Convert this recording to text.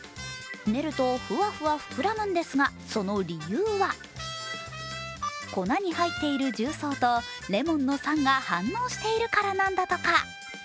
練るとふわふわ膨らむんですが、その理由は粉に入っている重曹とレモンの酸が反応しているからなんだとか。